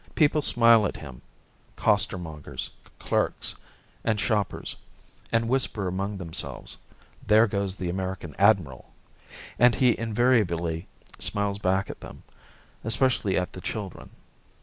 People smile at him costermongers, clerks, and shoppers and whisper among themselves, "There goes the American admiral!" and he invariably smiles back at them, especially at the children.